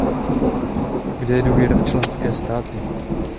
Kde je důvěra v členské státy?